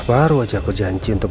baru aja aku janji untuk